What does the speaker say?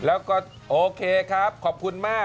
แล้วก็โอเคครับขอบคุณมาก